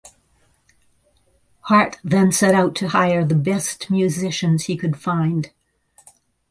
Hart then set out to hire the best musicians he could find.